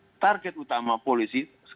jadi target utama polisi